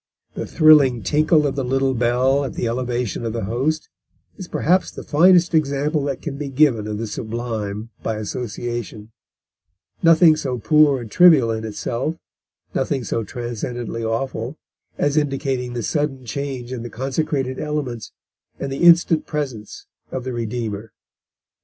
The thrilling tinkle of the little bell at the elevation of the Host is perhaps the finest example that can be given of the sublime by association nothing so poor and trivial in itself, nothing so transcendently awful, as indicating the sudden change in the consecrated Elements, and the instant presence of the Redeemer."